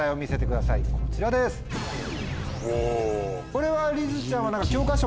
これはりづちゃん。